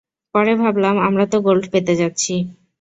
পরে ভাবলাম আমরা তো গোল্ড পেতে যাচ্ছি।